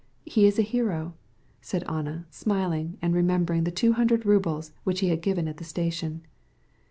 He's a hero, in fact," said Anna, smiling and recollecting the two hundred roubles he had given at the station.